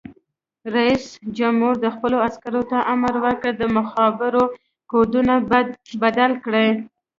رئیس جمهور خپلو عسکرو ته امر وکړ؛ د مخابرو کوډونه بدل کړئ!